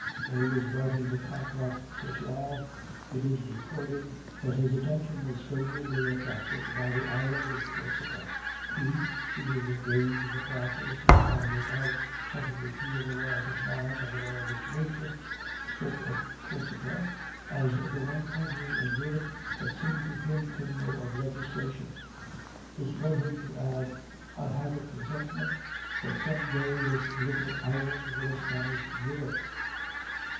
When he was writing the Contrat social it is recorded that his attention was favorably attracted by the island of Corsica. He, being engaged in the process of finding out how to repeal the laws of man by the laws of nature, spoke of Corsica as the one country in Europe that seemed to him capable of legislation. This led him to add: "I have a presentiment that some day this little island will astonish Europe."